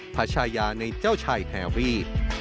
ชายาในเจ้าชายแฮรี่